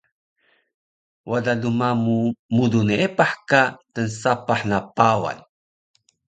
Wada lmamu mudu neepah ka tnsapah na Pawan